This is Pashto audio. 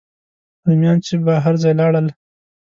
رومیان چې به هر ځای لاړل.